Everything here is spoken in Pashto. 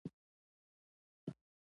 څنګه ښې سندرې یې زده کړې دي، شابسي زویه!